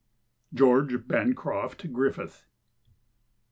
—George Bancroft Griffith.